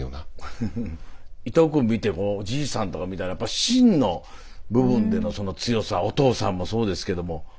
伊藤くん見てこうおじいさんとか見たらやっぱ芯の部分でのその強さお父さんもそうですけども。